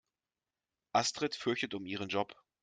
Astrid fürchtet um ihren Job.